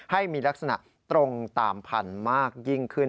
ให้มีลักษณะตรงตามพันธุ์มากยิ่งขึ้น